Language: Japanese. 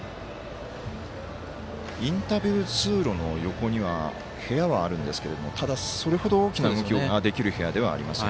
インタビュー通路の横には部屋はあるんですけれどもただそれほど大きな動きができる部屋ではありません。